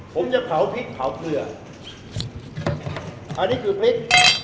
ผมจะเผาพริกเผาเกลืออันนี้คือพริก